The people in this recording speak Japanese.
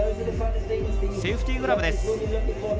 セーフティーグラブです。